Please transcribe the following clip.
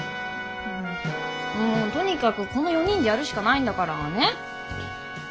もうとにかくこの４人でやるしかないんだから。ね？